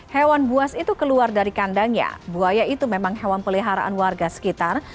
hewan buas itu keluar dari kandangnya buaya itu memang hewan peliharaan warga sekitar